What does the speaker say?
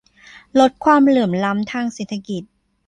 ลดความเหลื่อมล้ำทางเศรษฐกิจ